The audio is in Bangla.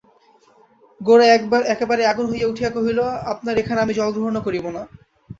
গোরা একেবারেই আগুন হইয়া উঠিয়া কহিল, আপনার এখানে আমি জলগ্রহণও করব না।